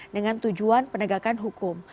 dengan tujuan penegakan hukum